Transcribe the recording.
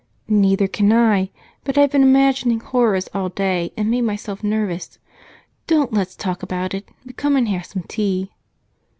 "Neither can I, but I've been imagining horrors all day and made myself nervous. Don't let us talk about it, but come and have some tea."